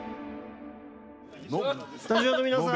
スタジオの皆さん！